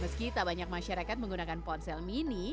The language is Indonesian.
meski tak banyak masyarakat menggunakan ponsel mini